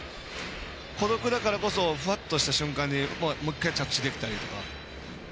孤独だからこそフワッとした瞬間にもう１回、着地できたりだとか。